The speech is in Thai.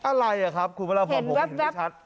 อะไรครับคุณพระราพรผมเห็นไม่ชัด